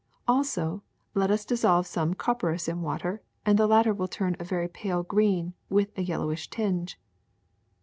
Also, let us dis solve some copperas in water, and the latter will turn a very pale green with a yellowish tinge.